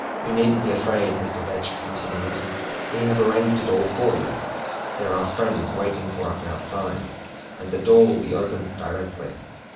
"You needn't be afraid," Mr. Vetch continues, "we have arranged it all for you. There are friends waiting for us outside, and the door will be open directly.